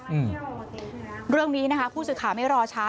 อืมเรื่องนี้นะคะผู้สื่อข่าวไม่รอช้า